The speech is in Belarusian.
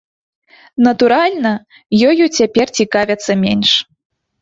Натуральна, ёю цяпер цікавяцца менш.